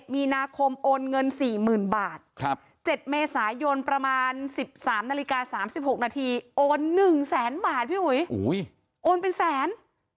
๒๑มีนาคมโอนเงิน๔๐๐๐๐บาท๗เมษายนประมาณ๑๓นาฬิกา๓๖นาทีโอน๑๐๐๐๐๐บาทโอนเป็นแสน